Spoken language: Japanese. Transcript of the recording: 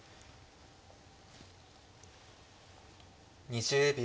２０秒。